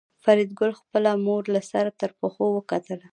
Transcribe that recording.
فریدګل خپله مور له سر تر پښو وکتله